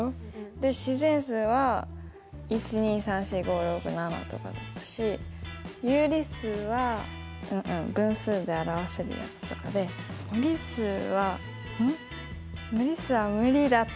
で自然数は１２３４５６７とかだったし有理数は分数で表せるやつとかで無理数は無理だった気がする！